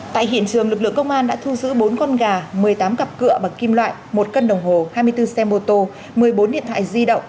tại hiện trường lực lượng công an đã thu giữ bốn con gà một mươi tám cặp cửa bằng kim loại một cân đồng hồ hai mươi bốn xe mô tô một mươi bốn điện thoại di động